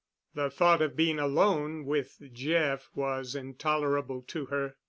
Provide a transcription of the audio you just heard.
The thought of being alone with Jeff was intolerable to her.